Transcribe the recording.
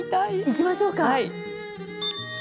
いきましょうか。